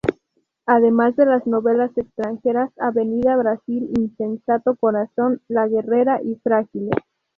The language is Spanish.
Además de las novelas extranjeras "Avenida Brasil', "Insensato corazón"; "La guerrera" y "Frágiles".